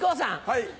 はい。